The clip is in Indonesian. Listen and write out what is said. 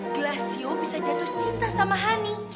glassio bisa jatuh cinta sama hani